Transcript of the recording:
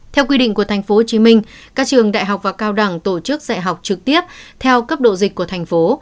theo quy định của tp hcm các trường đại học và cao đẳng tổ chức dạy học trực tiếp theo cấp độ dịch của thành phố